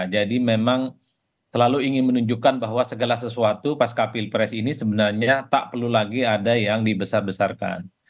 jadi memang selalu ingin menunjukkan bahwa segala sesuatu pasca pilpres ini sebenarnya tak perlu lagi ada yang dibesar besarkan